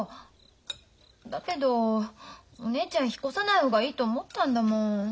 だけどお姉ちゃん引っ越さない方がいいと思ったんだもん。